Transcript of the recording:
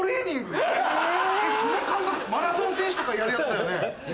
その感覚ってマラソン選手とかやるやつだよね？